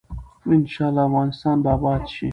ان شاء الله افغانستان به اباد شي.